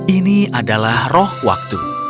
ini adalah roh waktu